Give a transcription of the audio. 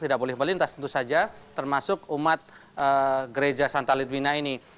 tidak boleh melintas tentu saja termasuk umat gereja santa litwina ini